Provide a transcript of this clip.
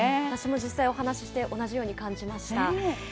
私も実際、お話して同じように感じました。